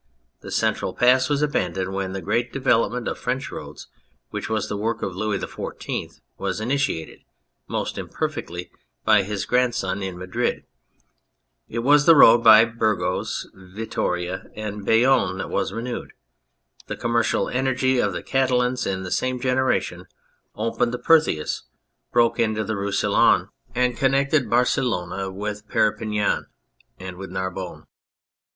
The central pass was abandoned when the great development of French roads, which was the work of Louis XIV, was imitated most imperfectly by his grandson in Madrid, it was the road by Burgos, Vittoria, and Bayonne that was renewed ; the commercial energy of the Catalans in the same generation opened the Perthuis, broke into the Roussillon, and connected 261 On Anything Barcelona with Perpignan and with Narbonne.